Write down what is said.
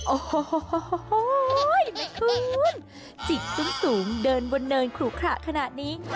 โอ้โหแม่คุณจิกสูงเดินบนเนินขลุขระขนาดนี้